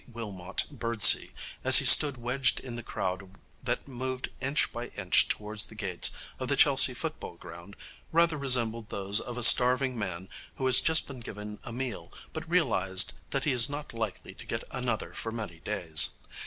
Wilmot Birdsey, as he stood wedged in the crowd that moved inch by inch towards the gates of the Chelsea Football Ground, rather resembled those of a starving man who has just been given a meal but realizes that he is not likely to get another for many days.